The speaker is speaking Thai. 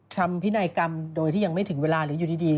ทำพินัยกรรมโดยที่ยังไม่ถึงเวลาหรืออยู่ดี